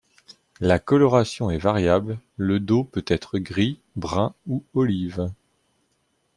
La coloration est variable; le dos peut être gris, brun ou olive.